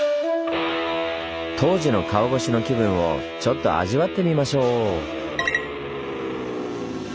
当時の川越しの気分をちょっと味わってみましょう！